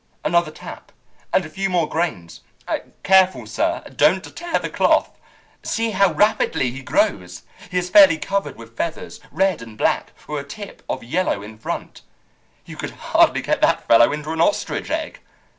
"Another tap, and a few more grains. Careful, sir! Don't tear the cloth! See how rapidly he grows! He is fairly covered with feathers, red and black, with a tip of yellow in front. You could hardly get that fellow into an ostrich egg!